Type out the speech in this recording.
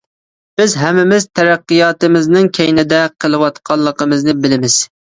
بىز ھەممىمىز تەرەققىياتىمىزنىڭ «كەينىدە» قېلىۋاتقانلىقىنى بىلىمىز.